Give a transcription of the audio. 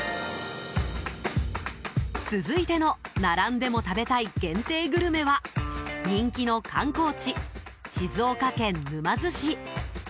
続いての並んでも食べたい限定グルメは人気の観光地、静岡県沼津市。